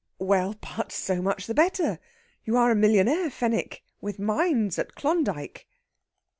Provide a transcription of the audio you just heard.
"Well, but so much the better! You are a millionaire, Fenwick, with mines at Klondyke...."